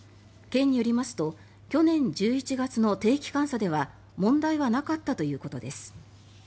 県によりますと去年１１月の定期監査では問題はなかったということです。